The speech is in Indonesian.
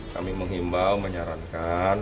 kami mengimbau menyarankan